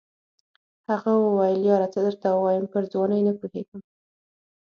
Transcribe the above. هغه وویل یاره څه درته ووایم پر ځوانۍ نه پوهېږم.